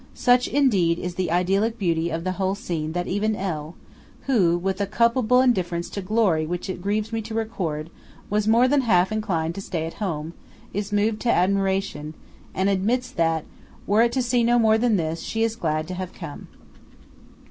Such indeed is the idyllic beauty of the whole scene that even L. (who, with a culpable indifference to glory which it grieves me to record, was more than half inclined to stay at home) is moved to admiration, and admits that, were it to see no more than this, she is glad to have come.